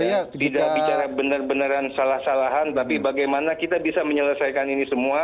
saya tidak bicara benar benaran salah salahan tapi bagaimana kita bisa menyelesaikan ini semua